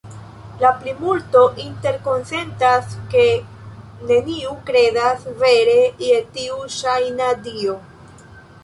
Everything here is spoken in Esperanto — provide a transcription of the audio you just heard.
La plimulto interkonsentas, ke neniu kredas vere je tiu ŝajna dio.